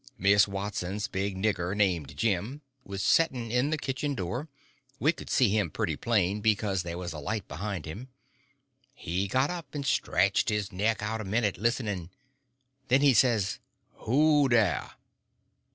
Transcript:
Miss Watson's big nigger, named Jim, was setting in the kitchen door; we could see him pretty clear, because there was a light behind him. He got up and stretched his neck out about a minute, listening. Then he says: "Who dah?"